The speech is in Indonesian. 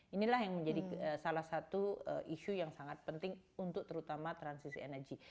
itulah yang menjadi salah satu isu yang sangat penting untuk terutama transition energy